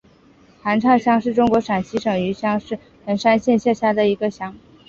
韩岔乡是中国陕西省榆林市横山县下辖的一个乡。